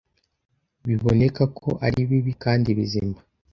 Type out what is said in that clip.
Biboneka ko ari bibi kandi bizima--